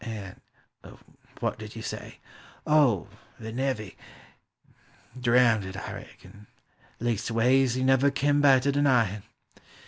and — w r hat did you say? O, the nevey? Drownded, I reckon, — leastways, he never kem back to deny it.